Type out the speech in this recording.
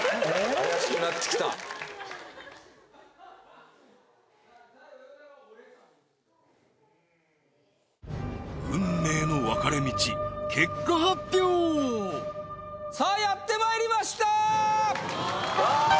怪しくなってきた運命の分かれ道さあやってまいりましたー！